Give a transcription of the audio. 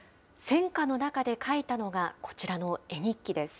戦火の中で描いたのがこちらの絵日記です。